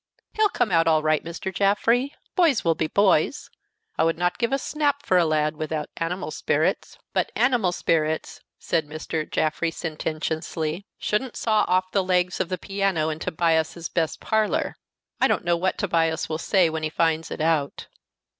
"He'll come out all right, Mr. Jaffrey. Boys will be boys. I would not give a snap for a lad without animal spirits." "But animal spirits," said Mr. Jaffrey sententiously, "shouldn't saw off the legs of the piano in Tobias's best parlor. I don't know what Tobias will say when he finds it out."